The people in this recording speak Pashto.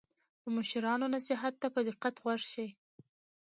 د مشرانو نصیحت ته په دقت غوږ شئ.